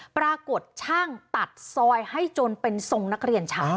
ปรากฏช่างตัดซอยให้จนเป็นทรงนักเรียนชาย